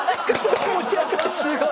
すごい！